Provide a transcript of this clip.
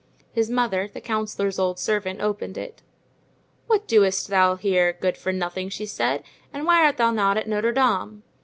His mother, the councillor's old servant, opened it. "What doest thou here, good for nothing?" she said, "and why art thou not at Notre Dame?"